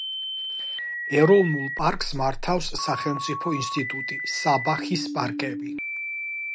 ეროვნულ პარკს მართავს სახელმწიფო ინსტიტუტი „საბაჰის პარკები“.